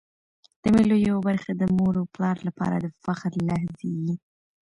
د مېلو یوه برخه د مور او پلار له پاره د فخر لحظې يي.